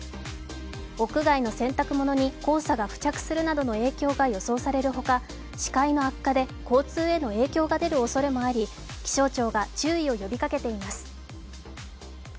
屋外の洗濯物に黄砂が付着するなどの影響が予想されるほか視界の悪化で交通への影響が出るおそれもあり気象庁が注意を呼びかけています。